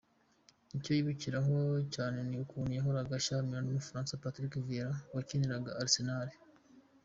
Icyo yibukirwaho cyane ni ukuntu yahoraga ashyamira n’umufaransa Patrick Vieira wakiniraga Arsenal.